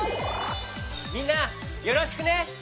みんなよろしくね！